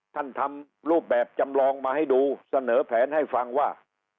ทำรูปแบบจำลองมาให้ดูเสนอแผนให้ฟังว่า